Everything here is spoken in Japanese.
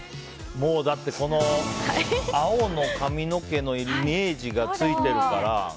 だって青の髪の毛のイメージがついているから。